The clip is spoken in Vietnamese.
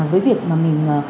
với việc mà mình